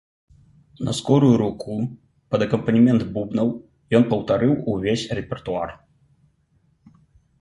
На скорую руку, пад акампанемент бубнаў, ён паўтарыў увесь рэпертуар.